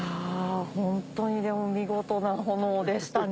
ホントにでも見事な炎でしたね。